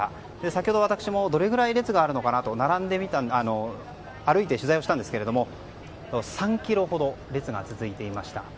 先ほど私もどれだけ列があるかと歩いて取材したんですが３ｋｍほど列が続いていました。